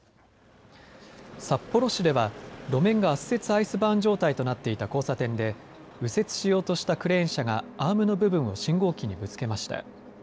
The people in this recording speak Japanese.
札幌市では路面が圧雪アイスバーン状態となっていた交差点で右折しようとしたクレーン車がアームの部分を信号機にぶつけました。